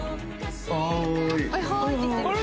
あれ？